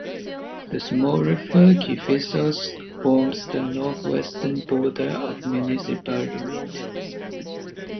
The small river Kifisos forms the northwestern border of the municipal unit.